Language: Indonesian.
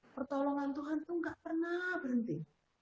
pertolongan tuhan itu nggak pernah berhenti